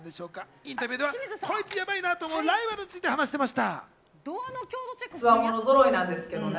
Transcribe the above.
インタビューでは、こいつ、やばいなと思うライバルについて話していました。